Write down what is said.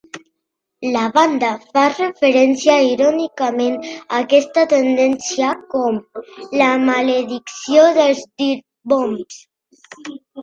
La banda fa referència irònicament a aquesta tendència com "La maledicció dels Dirtbombs".